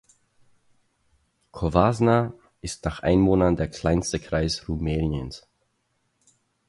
Covasna ist nach Einwohnern der kleinste Kreis Rumäniens.